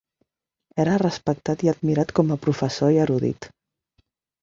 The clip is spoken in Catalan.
Era respectat i admirat com a professor i erudit.